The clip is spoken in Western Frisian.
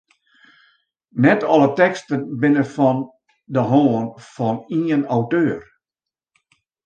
Net alle teksten binne fan de hân fan ien auteur.